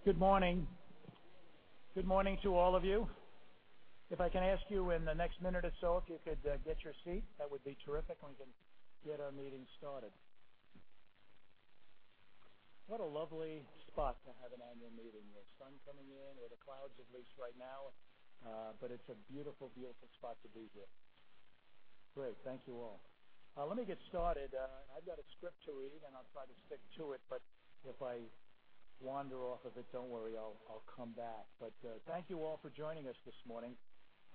Good morning. Good morning to all of you. If I can ask you in the next minute or so, if you could get your seat, that would be terrific, and we can get our meeting started. What a lovely spot to have an annual meeting. The sun coming in, or the clouds, at least right now, but it's a beautiful spot to be here. Great. Thank you all. Let me get started. I've got a script to read, and I'll try to stick to it, but if I wander off of it, don't worry, I'll come back. Thank you all for joining us this morning.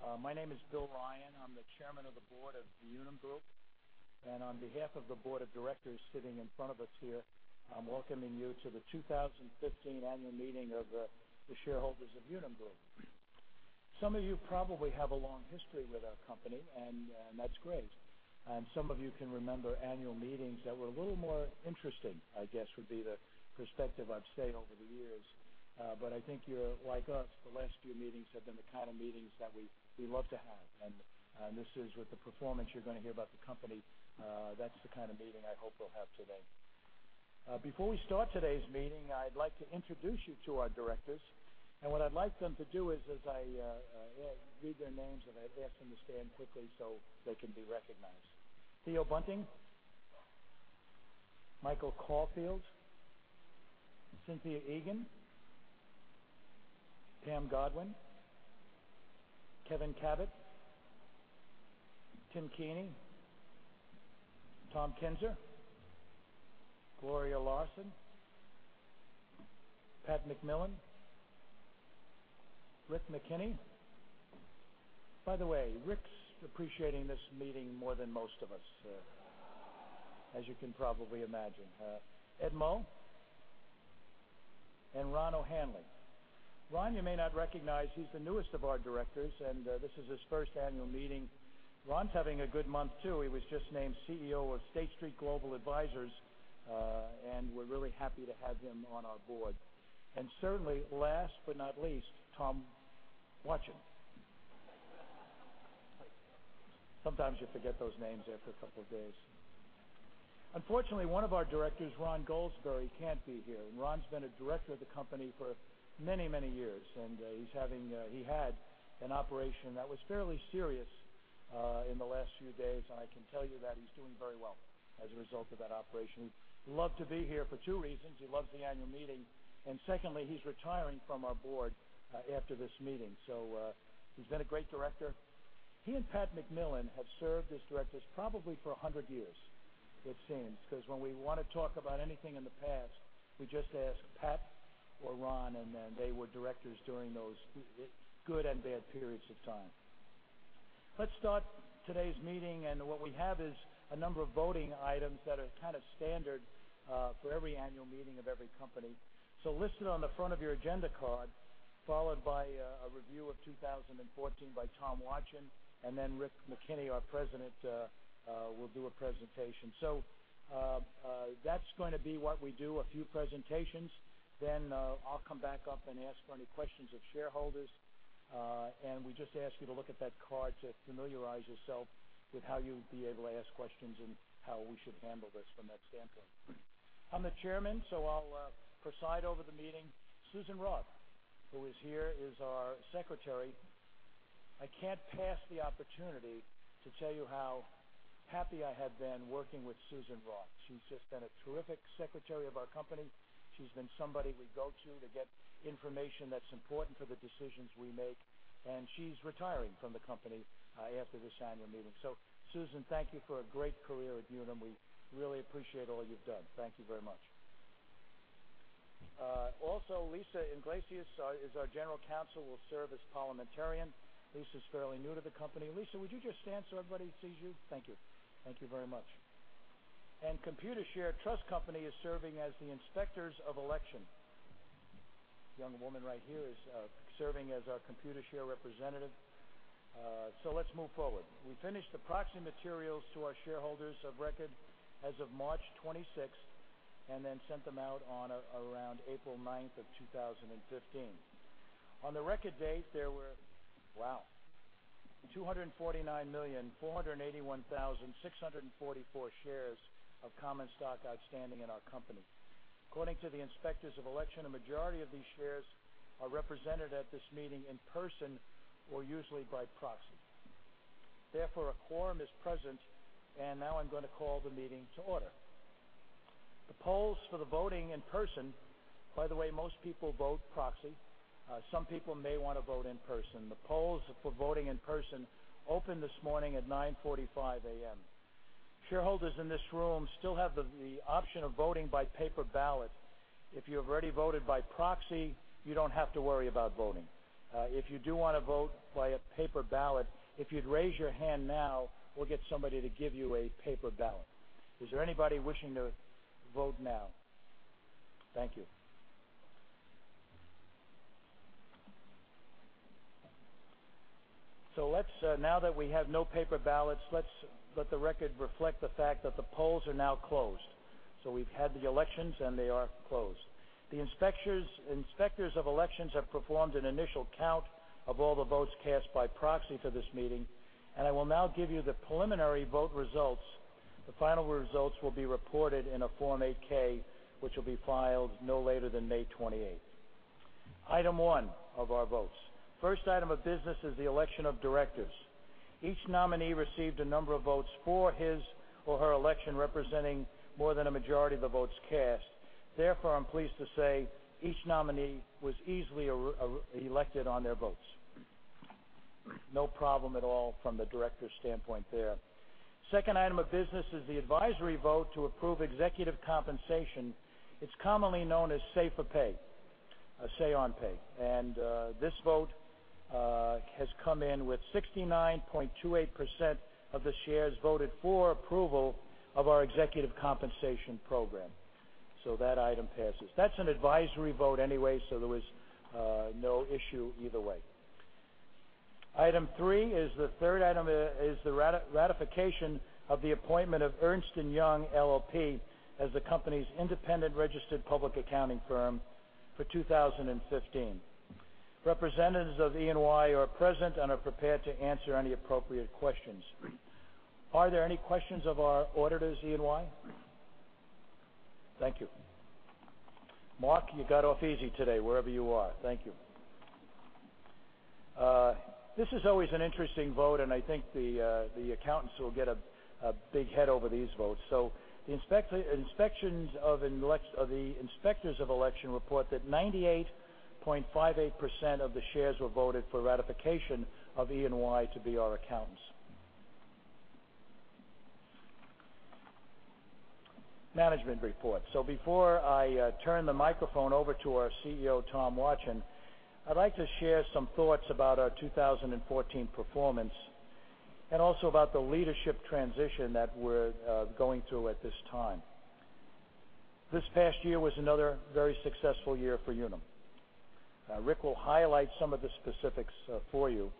My name is Bill Ryan. I'm the Chairman of the Board of Unum Group, and on behalf of the Board of Directors sitting in front of us here, I'm welcoming you to the 2015 annual meeting of the shareholders of Unum Group. Some of you probably have a long history with our company, that's great. Some of you can remember annual meetings that were a little more interesting, I guess, would be the perspective I've seen over the years. I think you're like us. The last few meetings have been the kind of meetings that we love to have. This is with the performance you're going to hear about the company. That's the kind of meeting I hope we'll have today. Before we start today's meeting, I'd like to introduce you to our Directors. What I'd like them to do is as I read their names, that I'd ask them to stand quickly so they can be recognized. Theo Bunting, Michael Caulfield, Cynthia Egan, Pam Godwin, Kevin Kabat, Tim Keaney, Tom Kinser, Gloria Larson, Pat McMillan, Rick McKenney. By the way, Rick's appreciating this meeting more than most of us, as you can probably imagine. Ed Muhl, Ron O'Hanley. Ron, you may not recognize, he's the newest of our Directors, and this is his first annual meeting. Ron's having a good month, too. He was just named CEO of State Street Global Advisors, and we're really happy to have him on our Board. Certainly, last but not least, Tom Watjen. Sometimes you forget those names after a couple of days. Unfortunately, one of our Directors, Ron Goldsberry, can't be here, and Ron's been a Director of the company for many years. He had an operation that was fairly serious in the last few days, and I can tell you that he's doing very well as a result of that operation. He'd love to be here for two reasons. He loves the annual meeting. Secondly, he's retiring from our Board after this meeting. He's been a great Director. He and Pat McMillan have served as Directors probably for 100 years, it seems, because when we want to talk about anything in the past, we just ask Pat or Ron. They were Directors during those good and bad periods of time. Let's start today's meeting. What we have is a number of voting items that are standard for every annual meeting of every company. Listed on the front of your agenda card, followed by a review of 2014 by Tom Watjen. Then Rick McKenney, our President, will do a presentation. That's going to be what we do, a few presentations. I'll come back up and ask for any questions of shareholders. We just ask you to look at that card to familiarize yourself with how you'll be able to ask questions and how we should handle this from that standpoint. I'm the Chairman. I'll preside over the meeting. Susan Roth, who is here, is our Secretary. I can't pass the opportunity to tell you how happy I have been working with Susan Roth. She's just been a terrific Secretary of our company. She's been somebody we go to get information that's important for the decisions we make, and she's retiring from the company after this annual meeting. Susan, thank you for a great career at Unum. We really appreciate all you've done. Thank you very much. Also, Lisa Iglesias is our General Counsel, will serve as parliamentarian. Lisa is fairly new to the company. Lisa, would you just stand so everybody sees you? Thank you. Thank you very much. Computershare Trust Company is serving as the inspectors of election. Young woman right here is serving as our Computershare representative. Let's move forward. We finished the proxy materials to our shareholders of record as of March 26th, then sent them out on or around April 9th of 2015. On the record date, there were, wow, 249,481,644 shares of common stock outstanding in our company. According to the inspectors of election, a majority of these shares are represented at this meeting in person or usually by proxy. Therefore, a quorum is present. Now I'm going to call the meeting to order. The polls for the voting in person. By the way, most people vote proxy. Some people may want to vote in person. The polls for voting in person opened this morning at 9:45 A.M. Shareholders in this room still have the option of voting by paper ballot. If you've already voted by proxy, you don't have to worry about voting. If you do want to vote by a paper ballot, if you'd raise your hand now, we'll get somebody to give you a paper ballot. Is there anybody wishing to vote now? Thank you. Now that we have no paper ballots, let the record reflect the fact that the polls are now closed. We've had the elections, and they are closed. The inspectors of elections have performed an initial count of all the votes cast by proxy for this meeting, and I will now give you the preliminary vote results. The final results will be reported in a Form 8-K, which will be filed no later than May 28th. Item one of our votes. First item of business is the election of directors. Each nominee received a number of votes for his or her election, representing more than a majority of the votes cast. Therefore, I'm pleased to say each nominee was easily elected on their votes. No problem at all from the directors' standpoint there. Second item of business is the advisory vote to approve executive compensation. It's commonly known as say-on-pay. This vote has come in with 69.28% of the shares voted for approval of our executive compensation program. That item passes. That's an advisory vote anyway. There was no issue either way. Item three is the third item, is the ratification of the appointment of Ernst & Young LLP as the company's independent registered public accounting firm for 2015. Representatives of EY are present and are prepared to answer any appropriate questions. Are there any questions of our auditors, EY? Thank you. Mark, you got off easy today, wherever you are. Thank you. This is always an interesting vote, and I think the accountants will get a big head over these votes. The inspectors of election report that 98.58% of the shares were voted for ratification of EY to be our accountants. Management report. Before I turn the microphone over to our CEO, Tom Watjen, I'd like to share some thoughts about our 2014 performance and also about the leadership transition that we're going through at this time. This past year was another very successful year for Unum. Rick will highlight some of the specifics for you.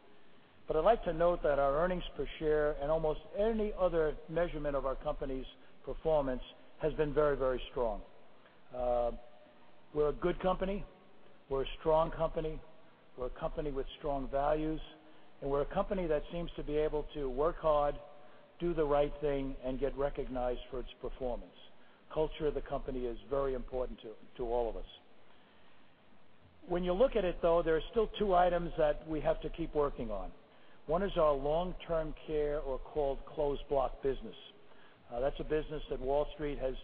I'd like to note that our earnings per share and almost any other measurement of our company's performance has been very strong. We're a good company, we're a strong company, we're a company with strong values, and we're a company that seems to be able to work hard, do the right thing, and get recognized for its performance. Culture of the company is very important to all of us. When you look at it, though, there are still two items that we have to keep working on. One is our long-term care or closed block business. That's a business that Wall Street has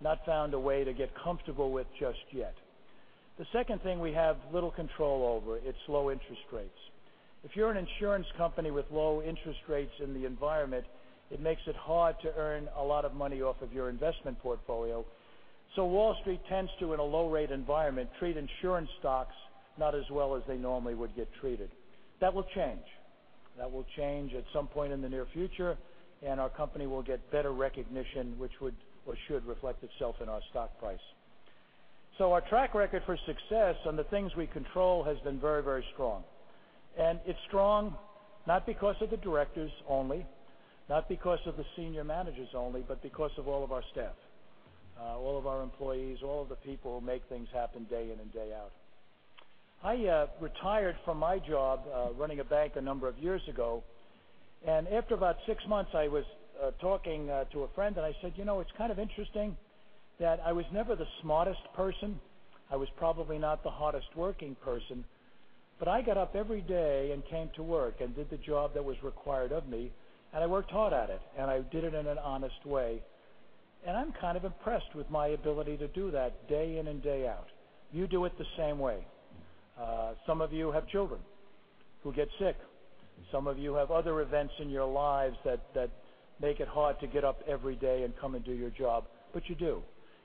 not found a way to get comfortable with just yet. The second thing we have little control over, it's low interest rates. If you're an insurance company with low interest rates in the environment, it makes it hard to earn a lot of money off of your investment portfolio. Wall Street tends to, in a low rate environment, treat insurance stocks not as well as they normally would get treated. That will change. That will change at some point in the near future, and our company will get better recognition, which should reflect itself in our stock price. Our track record for success on the things we control has been very strong. It's strong not because of the directors only, not because of the senior managers only, but because of all of our staff, all of our employees, all of the people who make things happen day in and day out. I retired from my job running a bank a number of years ago, and after about six months, I was talking to a friend and I said, "You know, it's kind of interesting that I was never the smartest person. I was probably not the hardest working person. I got up every day and came to work and did the job that was required of me, and I worked hard at it, and I did it in an honest way." I'm kind of impressed with my ability to do that day in and day out. You do it the same way. Some of you have children who get sick. Some of you have other events in your lives that make it hard to get up every day and come and do your job, but you do.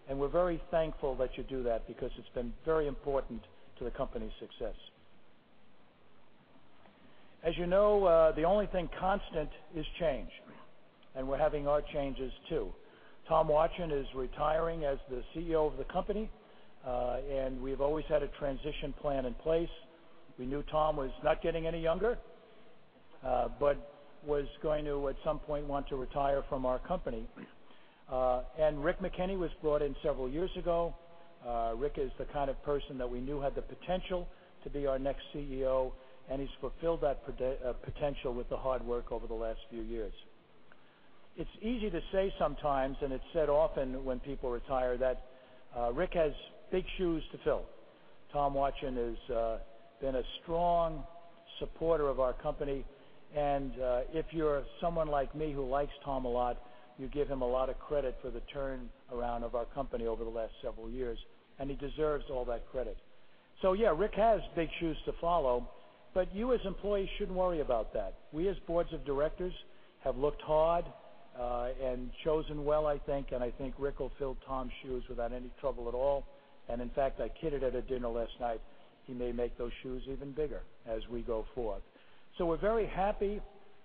We're very thankful that you do that because it's been very important to the company's success. As you know, the only thing constant is change, and we're having our changes too. Tom Watjen is retiring as the CEO of the company. We've always had a transition plan in place. Tom was not getting any younger but was going to, at some point, want to retire from our company. Rick McKenney was brought in several years ago. Rick is the kind of person that we knew had the potential to be our next CEO, and he's fulfilled that potential with the hard work over the last few years. It's easy to say sometimes, and it's said often when people retire that Rick has big shoes to fill. Tom Watjen has been a strong supporter of our company, and if you're someone like me who likes Tom a lot, you give him a lot of credit for the turnaround of our company over the last several years, and he deserves all that credit. Yeah, Rick has big shoes to follow, but you as employees shouldn't worry about that. We, as boards of directors, have looked hard and chosen well, I think, and I think Rick will fill Tom's shoes without any trouble at all. In fact, I kidded at a dinner last night, he may make those shoes even bigger as we go forward. We're very happy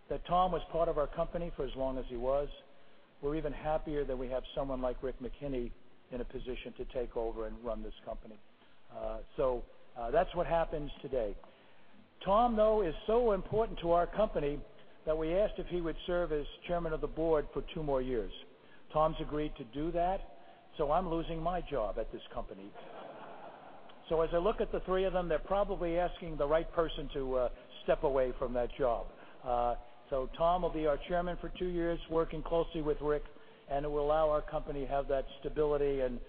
that Tom was part of our company for as long as he was. We're even happier that we have someone like Rick McKenney in a position to take over and run this company. That's what happens today. Tom, though, is so important to our company that we asked if he would serve as Chairman of the Board for two more years. Tom's agreed to do that, I'm losing my job at this company. As I look at the three of them, they're probably asking the right person to step away from that job. Tom will be our Chairman for two years, working closely with Rick, and it will allow our company have that stability and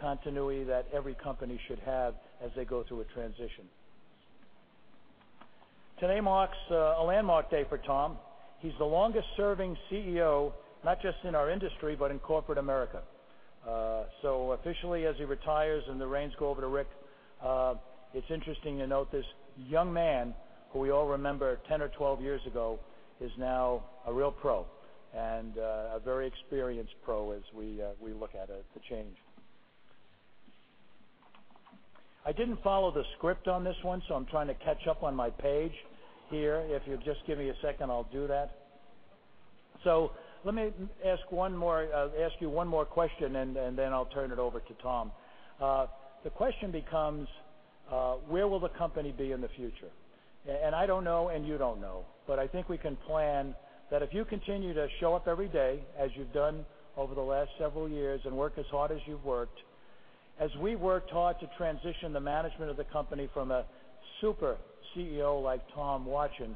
continuity that every company should have as they go through a transition. Today marks a landmark day for Tom. He's the longest-serving CEO, not just in our industry, but in corporate America. Officially, as he retires and the reins go over to Rick, it's interesting to note this young man, who we all remember 10 or 12 years ago, is now a real pro, and a very experienced pro as we look at the change. I didn't follow the script on this one, I'm trying to catch up on my page here. If you just give me a second, I'll do that. Let me ask you one more question, and then I'll turn it over to Tom. The question becomes, where will the company be in the future? I don't know, and you don't know. I think we can plan that if you continue to show up every day as you've done over the last several years, and work as hard as you've worked, as we work hard to transition the management of the company from a super CEO like Tom Watjen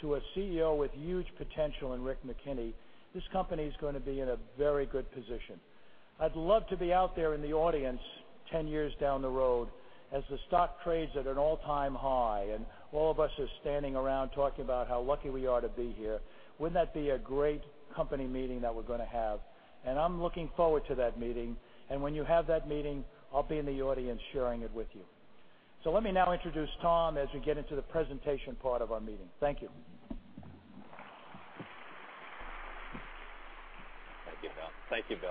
to a CEO with huge potential in Rick McKenney, this company is going to be in a very good position. I'd love to be out there in the audience 10 years down the road as the stock trades at an all-time high, and all of us are standing around talking about how lucky we are to be here. Wouldn't that be a great company meeting that we're going to have? I'm looking forward to that meeting. When you have that meeting, I'll be in the audience sharing it with you. Let me now introduce Tom as we get into the presentation part of our meeting. Thank you. Thank you, Bill.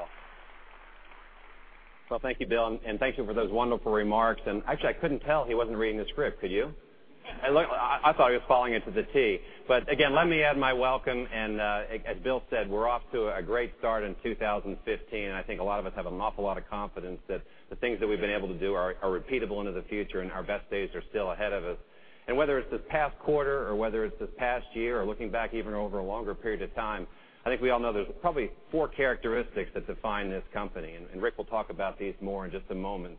Well, thank you, Bill, and thank you for those wonderful remarks. Actually, I couldn't tell he wasn't reading the script, could you? I thought he was following it to the T. Again, let me add my welcome, as Bill said, we're off to a great start in 2015. I think a lot of us have an awful lot of confidence that the things that we've been able to do are repeatable into the future, and our best days are still ahead of us. Whether it's this past quarter or whether it's this past year or looking back even over a longer period of time, I think we all know there's probably four characteristics that define this company, Rick will talk about these more in just a moment.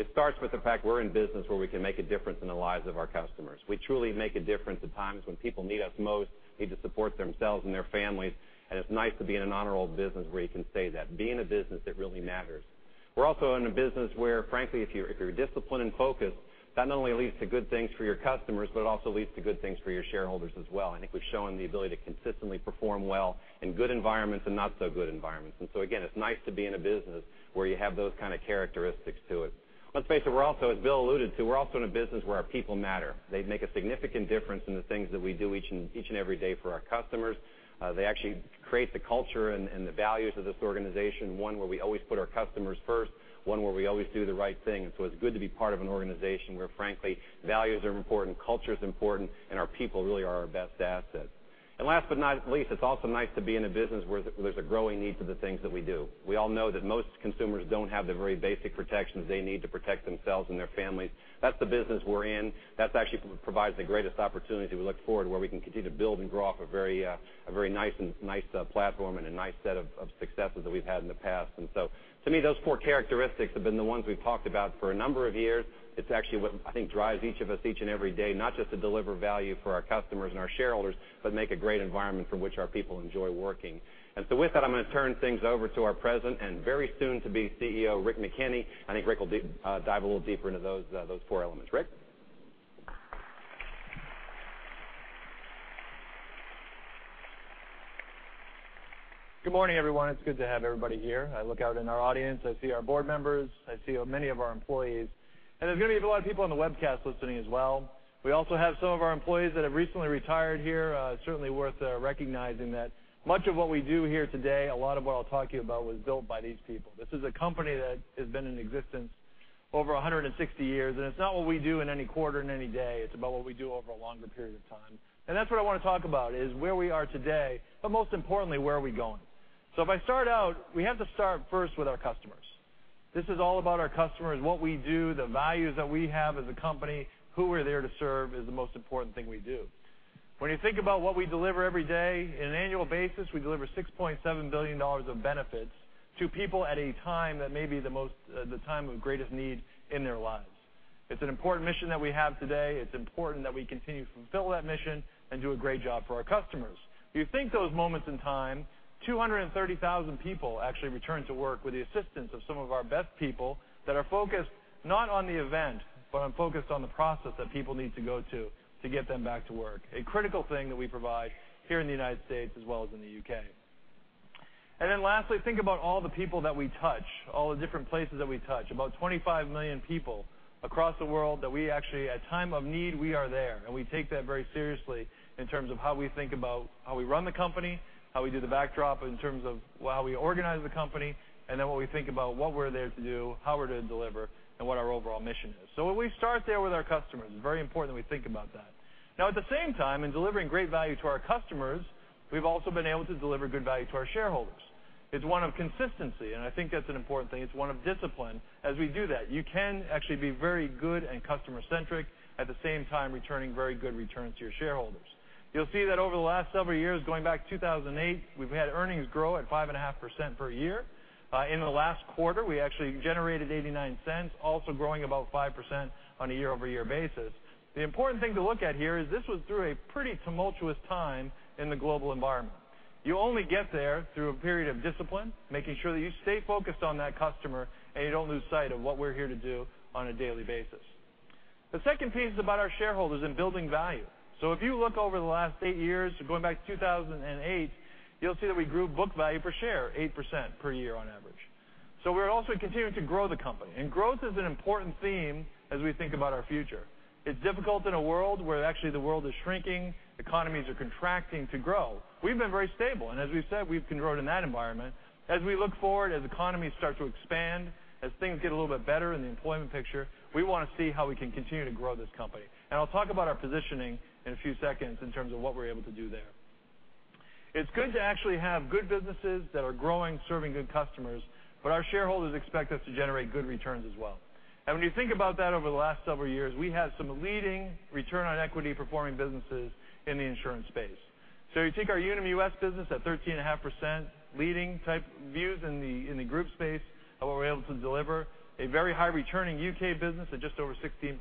It starts with the fact we're in business where we can make a difference in the lives of our customers. We truly make a difference at times when people need us most, need to support themselves and their families. It's nice to be in an honorable business where you can say that. Be in a business that really matters. We're also in a business where, frankly, if you're disciplined and focused, that not only leads to good things for your customers, it also leads to good things for your shareholders as well. I think we've shown the ability to consistently perform well in good environments and not so good environments. Again, it's nice to be in a business where you have those kind of characteristics to it. Let's face it, we're also, as Bill alluded to, we're also in a business where our people matter. They make a significant difference in the things that we do each and every day for our customers. They actually create the culture and the values of this organization, one where we always put our customers first, one where we always do the right thing. It's good to be part of an organization where, frankly, values are important, culture is important. Our people really are our best asset. Last but not least, it's also nice to be in a business where there's a growing need for the things that we do. We all know that most consumers don't have the very basic protections they need to protect themselves and their families. That's the business we're in. That actually provides the greatest opportunity we look forward to where we can continue to build and grow off a very nice platform and a nice set of successes that we've had in the past. To me, those four characteristics have been the ones we've talked about for a number of years. It's actually what I think drives each of us each and every day, not just to deliver value for our customers and our shareholders, but make a great environment from which our people enjoy working. With that, I'm going to turn things over to our president and very soon to be CEO, Rick McKenney. I think Rick will dive a little deeper into those four elements. Rick. Good morning, everyone. It's good to have everybody here. I look out in our audience. I see our board members. I see many of our employees. There are going to be a lot of people on the webcast listening as well. We also have some of our employees that have recently retired here. Certainly worth recognizing that much of what we do here today, a lot of what I'll talk to you about was built by these people. This is a company that has been in existence over 160 years, and it's not what we do in any quarter, in any day. It's about what we do over a longer period of time. That's what I want to talk about, is where we are today, but most importantly, where are we going. If I start out, we have to start first with our customers. This is all about our customers, what we do, the values that we have as a company, who we're there to serve is the most important thing we do. When you think about what we deliver every day, in an annual basis, we deliver $6.7 billion of benefits to people at a time that may be the time of greatest need in their lives. It's an important mission that we have today. It's important that we continue to fulfill that mission and do a great job for our customers. If you think those moments in time, 230,000 people actually return to work with the assistance of some of our best people that are focused not on the event, but are focused on the process that people need to go to get them back to work. A critical thing that we provide here in the U.S. as well as in the U.K. Lastly, think about all the people that we touch, all the different places that we touch. About 25 million people across the world that we actually, at time of need, we are there, and we take that very seriously in terms of how we think about how we run the company, how we do the backdrop in terms of how we organize the company, and then what we think about what we're there to do, how we're to deliver, and what our overall mission is. We start there with our customers. Very important that we think about that. Now at the same time, in delivering great value to our customers, we've also been able to deliver good value to our shareholders. It's one of consistency, and I think that's an important thing. It's one of discipline. We do that, you can actually be very good and customer centric, at the same time, returning very good returns to your shareholders. You'll see that over the last several years, going back to 2008, we've had earnings grow at 5.5% per year. In the last quarter, we actually generated $0.89, also growing about 5% on a year-over-year basis. The important thing to look at here is this was through a pretty tumultuous time in the global environment. You only get there through a period of discipline, making sure that you stay focused on that customer, and you don't lose sight of what we're here to do on a daily basis. The second piece is about our shareholders and building value. If you look over the last eight years, going back to 2008, you'll see that we grew book value per share 8% per year on average. We're also continuing to grow the company, and growth is an important theme as we think about our future. It's difficult in a world where actually the world is shrinking, economies are contracting to grow. We've been very stable, and as we've said, we've grown in that environment. We look forward, as economies start to expand, as things get a little bit better in the employment picture, we want to see how we can continue to grow this company. I'll talk about our positioning in a few seconds in terms of what we're able to do there. It's good to actually have good businesses that are growing, serving good customers, but our shareholders expect us to generate good returns as well. When you think about that over the last several years, we had some leading return on equity performing businesses in the insurance space. You take our Unum US business at 13.5%, leading type views in the group space of what we're able to deliver, a very high returning U.K. business at just over 16%,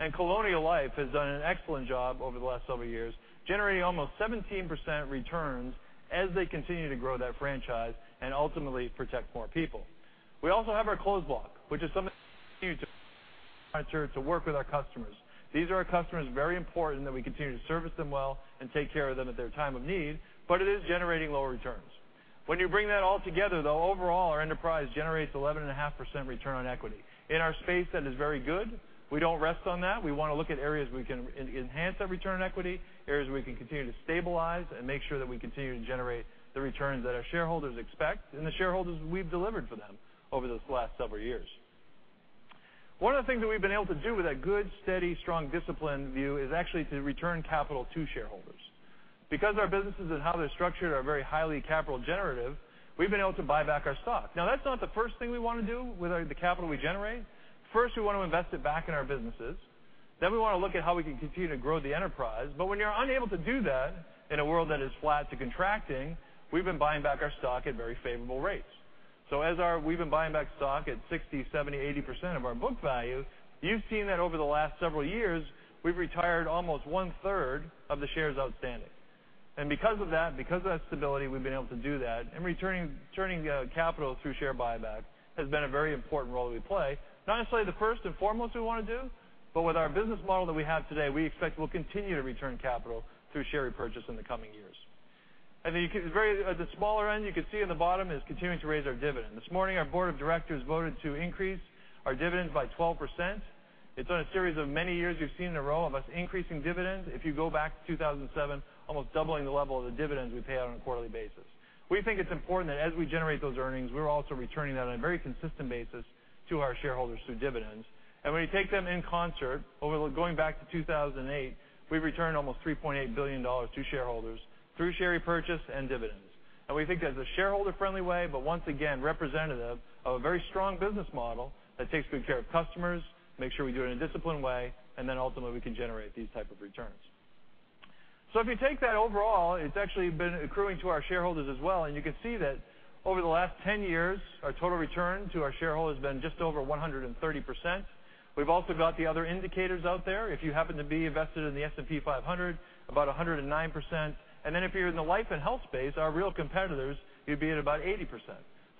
and Colonial Life has done an excellent job over the last several years, generating almost 17% returns as they continue to grow that franchise and ultimately protect more people. We also have our closed block, which is something to work with our customers. These are our customers, very important that we continue to service them well and take care of them at their time of need, but it is generating lower returns. When you bring that all together, though, overall, our enterprise generates 11.5% return on equity. In our space, that is very good. We don't rest on that. We want to look at areas we can enhance our return on equity, areas we can continue to stabilize and make sure that we continue to generate the returns that our shareholders expect and the shareholders we've delivered for them over those last several years. One of the things that we've been able to do with that good, steady, strong discipline view is actually to return capital to shareholders. Because our businesses and how they're structured are very highly capital generative, we've been able to buy back our stock. That's not the first thing we want to do with the capital we generate. We want to invest it back in our businesses. We want to look at how we can continue to grow the enterprise. When you're unable to do that in a world that is flat to contracting, we've been buying back our stock at very favorable rates. As we've been buying back stock at 60%, 70%, 80% of our book value, you've seen that over the last several years, we've retired almost one-third of the shares outstanding. Because of that stability, we've been able to do that, and returning capital through share buyback has been a very important role we play. Not necessarily the first and foremost we want to do, but with our business model that we have today, we expect we'll continue to return capital through share repurchase in the coming years. At the smaller end, you can see in the bottom is continuing to raise our dividend. This morning, our board of directors voted to increase our dividends by 12%. It's on a series of many years you've seen in a row of us increasing dividends. If you go back to 2007, almost doubling the level of the dividends we pay out on a quarterly basis. We think it's important that as we generate those earnings, we're also returning that on a very consistent basis to our shareholders through dividends. When you take them in concert, going back to 2008, we've returned almost $3.8 billion to shareholders through share repurchase and dividends. We think that's a shareholder-friendly way, but once again, representative of a very strong business model that takes good care of customers, make sure we do it in a disciplined way, then ultimately, we can generate these type of returns. If you take that overall, it's actually been accruing to our shareholders as well, and you can see that over the last 10 years, our total return to our shareholders has been just over 130%. We've also got the other indicators out there. If you happen to be invested in the S&P 500, about 109%. If you're in the life and health space, our real competitors, you'd be at about 80%.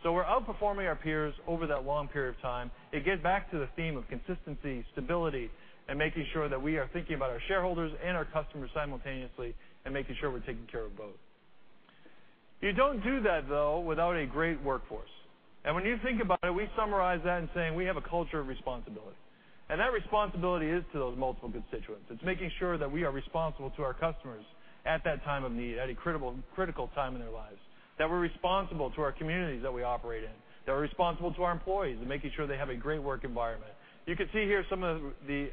We're outperforming our peers over that long period of time. It gets back to the theme of consistency, stability, and making sure that we are thinking about our shareholders and our customers simultaneously and making sure we're taking care of both. You don't do that, though, without a great workforce. When you think about it, we summarize that in saying we have a culture of responsibility. That responsibility is to those multiple constituents. It's making sure that we are responsible to our customers at that time of need, at a critical time in their lives, that we're responsible to our communities that we operate in, that we're responsible to our employees and making sure they have a great work environment. You can see here some of the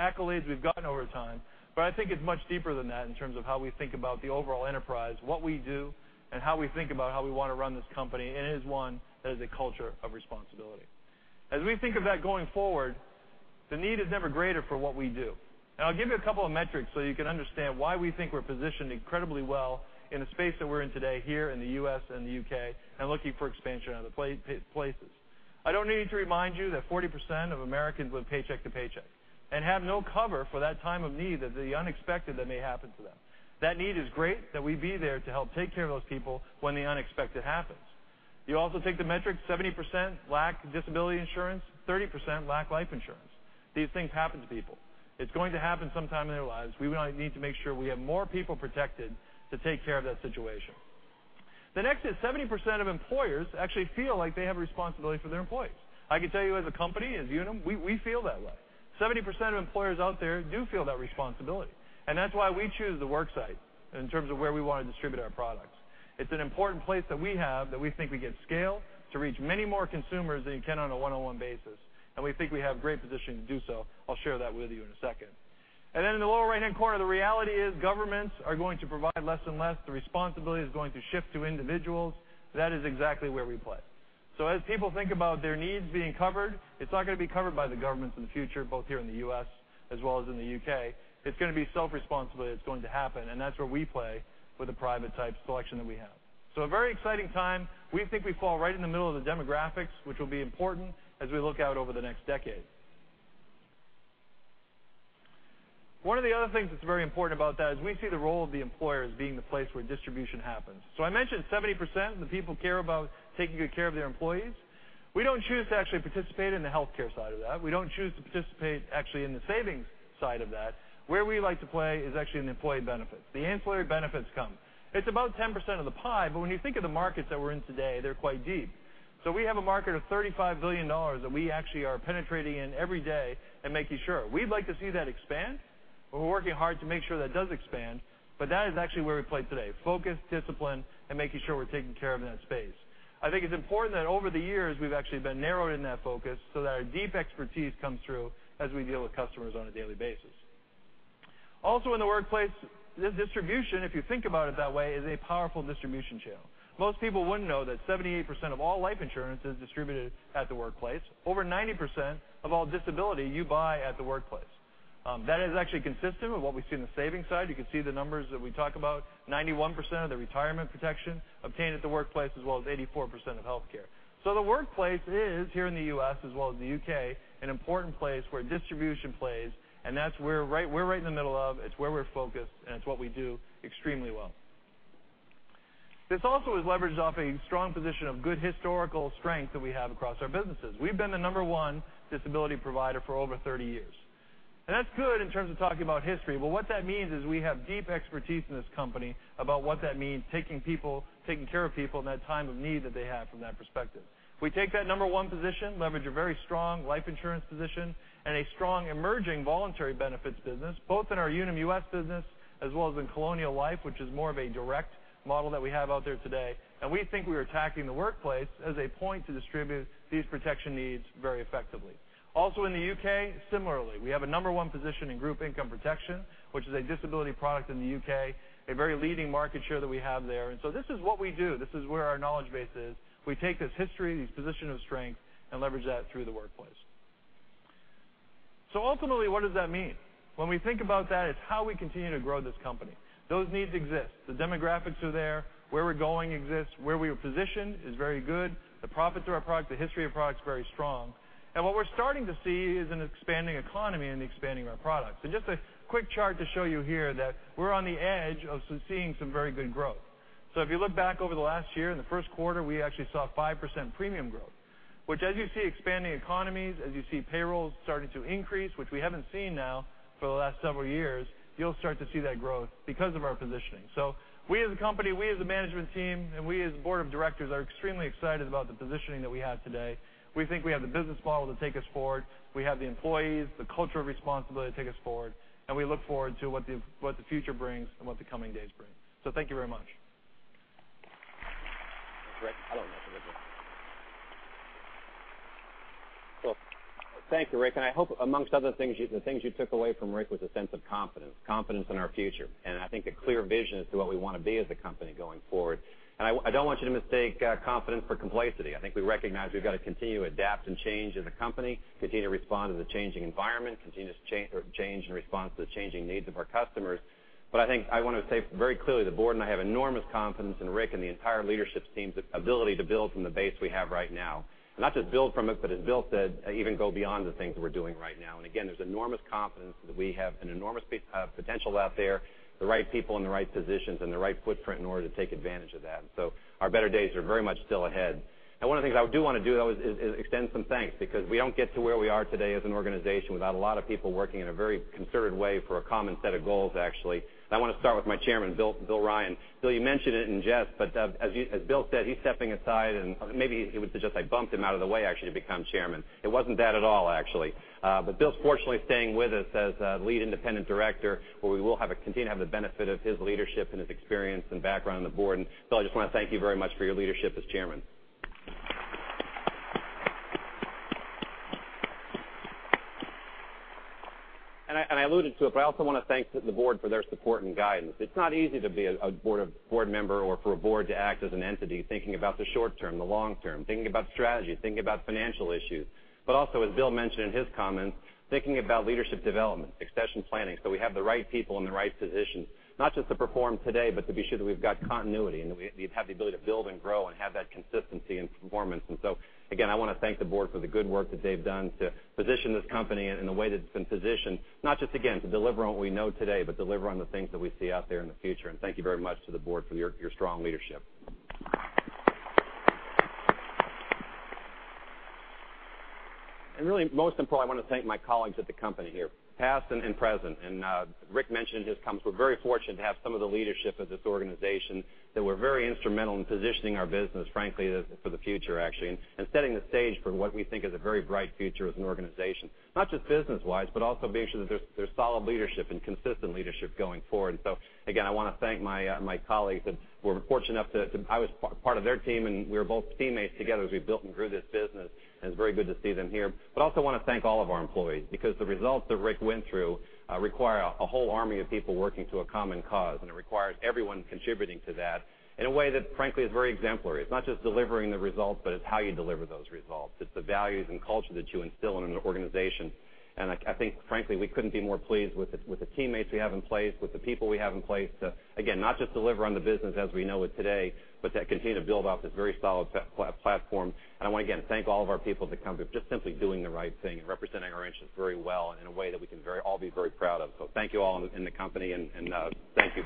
accolades we've gotten over time, but I think it's much deeper than that in terms of how we think about the overall enterprise, what we do, and how we think about how we want to run this company, and it is one that is a culture of responsibility. As we think of that going forward, the need is never greater for what we do. I'll give you a couple of metrics so you can understand why we think we're positioned incredibly well in the space that we're in today here in the U.S. and the U.K. and looking for expansion in other places. I don't need to remind you that 40% of Americans live paycheck to paycheck and have no cover for that time of need of the unexpected that may happen to them. That need is great that we be there to help take care of those people when the unexpected happens. You also take the metric, 70% lack disability insurance, 30% lack life insurance. These things happen to people. It's going to happen sometime in their lives. We need to make sure we have more people protected to take care of that situation. The next is 70% of employers actually feel like they have a responsibility for their employees. I can tell you as a company, as Unum, we feel that way. 70% of employers out there do feel that responsibility, and that's why we choose the worksite in terms of where we want to distribute our products. It's an important place that we have that we think we get scale to reach many more consumers than you can on a one-on-one basis, and we think we have great positioning to do so. I'll share that with you in a second. Then in the lower right-hand corner, the reality is governments are going to provide less and less. The responsibility is going to shift to individuals. That is exactly where we play. As people think about their needs being covered, it's not going to be covered by the governments in the future, both here in the U.S. as well as in the U.K. It's going to be self-responsibility that's going to happen, and that's where we play with the private type selection that we have. A very exciting time. We think we fall right in the middle of the demographics, which will be important as we look out over the next decade. One of the other things that's very important about that is we see the role of the employer as being the place where distribution happens. I mentioned 70% of the people care about taking good care of their employees. We don't choose to actually participate in the healthcare side of that. We don't choose to participate actually in the savings side of that. Where we like to play is actually in the employee benefits. The ancillary benefits come. It's about 10% of the pie, but when you think of the markets that we're in today, they're quite deep. We have a market of $35 billion that we actually are penetrating in every day and making sure. We'd like to see that expand, and we're working hard to make sure that does expand, but that is actually where we play today. Focus, discipline, and making sure we're taking care of that space. I think it's important that over the years, we've actually been narrowing that focus so that our deep expertise comes through as we deal with customers on a daily basis. Also in the workplace, this distribution, if you think about it that way, is a powerful distribution channel. Most people wouldn't know that 78% of all life insurance is distributed at the workplace. Over 90% of all disability you buy at the workplace. That is actually consistent with what we see on the savings side. You can see the numbers that we talk about, 91% of the retirement protection obtained at the workplace, as well as 84% of healthcare. The workplace is, here in the U.S. as well as the U.K., an important place where distribution plays, and that's where we're right in the middle of, it's where we're focused, and it's what we do extremely well. This also is leveraged off a strong position of good historical strength that we have across our businesses. We've been the number one disability provider for over 30 years. That's good in terms of talking about history. What that means is we have deep expertise in this company about what that means, taking care of people in that time of need that they have from that perspective. We take that number one position, leverage a very strong life insurance position and a strong emerging voluntary benefits business, both in our Unum US business as well as in Colonial Life, which is more of a direct model that we have out there today. We think we are attacking the workplace as a point to distribute these protection needs very effectively. Also in the U.K., similarly, we have a number one position in group income protection, which is a disability product in the U.K., a very leading market share that we have there. This is what we do. This is where our knowledge base is. We take this history, these position of strength, and leverage that through the workplace. Ultimately, what does that mean? When we think about that, it's how we continue to grow this company. Those needs exist. The demographics are there. Where we're going exists. Where we are positioned is very good. The profits of our product, the history of product's very strong. What we're starting to see is an expanding economy and the expanding of our products. Just a quick chart to show you here that we're on the edge of seeing some very good growth. If you look back over the last year, in the first quarter, we actually saw 5% premium growth, which as you see expanding economies, as you see payrolls starting to increase, which we haven't seen now for the last several years, you'll start to see that growth because of our positioning. We as a company, we as a management team, and we as a Board of Directors are extremely excited about the positioning that we have today. We think we have the business model to take us forward. We have the employees, the cultural responsibility to take us forward, and we look forward to what the future brings and what the coming days bring. Thank you very much. Thanks, Rick. I don't know if I could do it. Thank you, Rick, and I hope amongst other things, the things you took away from Rick was a sense of confidence in our future, and I think a clear vision as to what we want to be as a company going forward. I don't want you to mistake confidence for complacency. I think we recognize we've got to continue to adapt and change as a company, continue to respond to the changing environment, continue to change in response to the changing needs of our customers. I think I want to say very clearly the board and I have enormous confidence in Rick and the entire leadership team's ability to build from the base we have right now. Not just build from it, but build to even go beyond the things that we're doing right now. Again, there's enormous confidence that we have an enormous potential out there, the right people in the right positions, and the right footprint in order to take advantage of that. Our better days are very much still ahead. One of the things I do want to do, though, is extend some thanks because we don't get to where we are today as an organization without a lot of people working in a very concerted way for a common set of goals, actually. I want to start with my chairman, Bill Ryan. Bill, you mentioned it in jest, but as Bill said, he's stepping aside and maybe he would suggest I bumped him out of the way actually to become chairman. It wasn't that at all, actually. Bill's fortunately staying with us as a lead independent director, where we will continue to have the benefit of his leadership and his experience and background on the board. I just want to thank you very much for your leadership as chairman. I alluded to it, I also want to thank the board for their support and guidance. It's not easy to be a board member or for a board to act as an entity, thinking about the short term, the long term, thinking about strategy, thinking about financial issues. Also, as Bill mentioned in his comments, thinking about leadership development, succession planning, so we have the right people in the right positions, not just to perform today, but to be sure that we've got continuity and that we have the ability to build and grow and have that consistency in performance. Again, I want to thank the board for the good work that they've done to position this company in the way that it's been positioned, not just again, to deliver on what we know today, but deliver on the things that we see out there in the future. Thank you very much to the board for your strong leadership. Really, most importantly, I want to thank my colleagues at the company here, past and present. Rick mentioned in his comments, we're very fortunate to have some of the leadership of this organization that were very instrumental in positioning our business, frankly, for the future, actually, and setting the stage for what we think is a very bright future as an organization, not just business-wise, but also making sure that there's solid leadership and consistent leadership going forward. Again, I want to thank my colleagues that were fortunate enough. I was part of their team, and we were both teammates together as we built and grew this business, and it's very good to see them here. I also want to thank all of our employees because the results that Rick went through require a whole army of people working to a common cause, and it requires everyone contributing to that in a way that frankly is very exemplary. It's not just delivering the results, but it's how you deliver those results. It's the values and culture that you instill in an organization. I think frankly, we couldn't be more pleased with the teammates we have in place, with the people we have in place to, again, not just deliver on the business as we know it today, but to continue to build off this very solid platform. I want to again thank all of our people at the company for just simply doing the right thing and representing our interests very well and in a way that we can all be very proud of. Thank you all in the company, and thank you.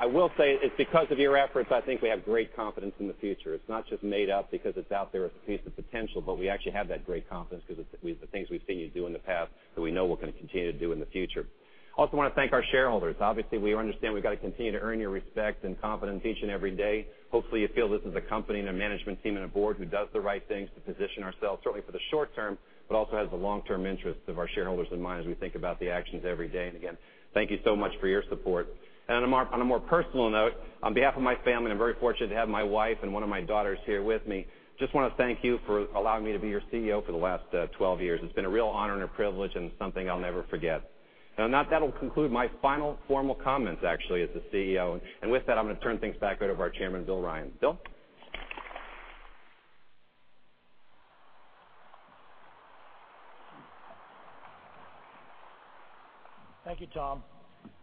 I will say it's because of your efforts, I think we have great confidence in the future. It's not just made up because it's out there as a piece of potential, but we actually have that great confidence because it's the things we've seen you do in the past that we know we're going to continue to do in the future. Also want to thank our shareholders. Obviously, we understand we've got to continue to earn your respect and confidence each and every day. Hopefully, you feel this is a company and a management team and a board who does the right things to position ourselves, certainly for the short term, but also has the long-term interests of our shareholders in mind as we think about the actions every day. Again, thank you so much for your support. On a more personal note, on behalf of my family, I'm very fortunate to have my wife and one of my daughters here with me. Just want to thank you for allowing me to be your CEO for the last 12 years. It's been a real honor and a privilege and something I'll never forget. On that'll conclude my final formal comments actually as the CEO. With that, I'm going to turn things back over to our Chairman, Bill Ryan. Bill? Thank you, Tom.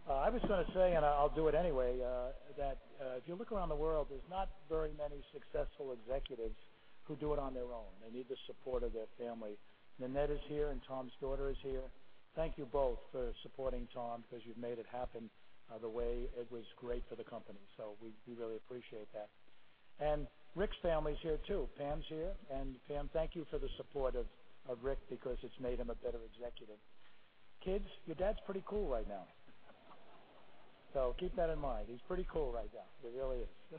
I was going to say, and I'll do it anyway, that if you look around the world, there's not very many successful executives who do it on their own. They need the support of their family. Nanette is here, and Tom's daughter is here. Thank you both for supporting Tom because you've made it happen the way it was great for the company. We really appreciate that. Rick's family's here, too. Pam's here. Pam, thank you for the support of Rick because it's made him a better executive. Kids, your dad's pretty cool right now. Keep that in mind. He's pretty cool right now. He really is.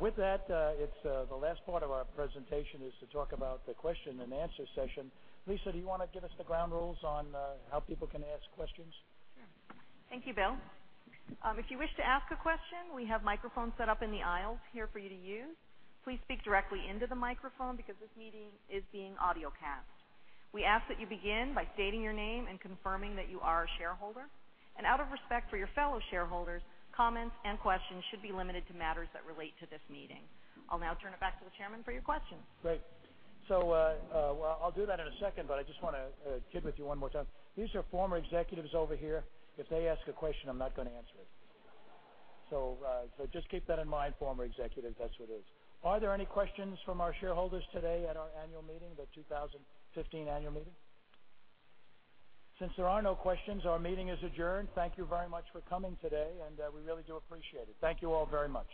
With that, the last part of our presentation is to talk about the question and answer session. Lisa, do you want to give us the ground rules on how people can ask questions? Sure. Thank you, Bill. If you wish to ask a question, we have microphones set up in the aisles here for you to use. Please speak directly into the microphone because this meeting is being audiocast. We ask that you begin by stating your name and confirming that you are a shareholder. Out of respect for your fellow shareholders, comments and questions should be limited to matters that relate to this meeting. I'll now turn it back to the Chairman for your questions. Great. I'll do that in a second, but I just want to kid with you one more time. These are former executives over here. If they ask a question, I'm not going to answer it. Just keep that in mind, former executives. That's what it is. Are there any questions from our shareholders today at our annual meeting, the 2015 annual meeting? Since there are no questions, our meeting is adjourned. Thank you very much for coming today, and we really do appreciate it. Thank you all very much.